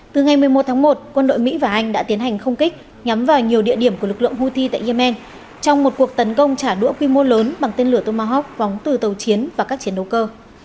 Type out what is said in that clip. từ ngày một mươi một tháng một quân đội mỹ và anh đã tiến hành không kích nhắm vào nhiều địa điểm của lực lượng houthi tại yemen trong một cuộc tấn công trả đũa quy mô lớn bằng tên lửa tomahawk vóng từ tàu chiến và các chiến đấu cơ